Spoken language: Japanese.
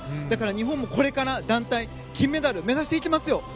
だから、日本もこれから団体金メダルを目指していけますよ。